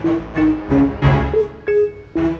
bagaimana aku kabarin